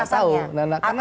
ya saya gak tahu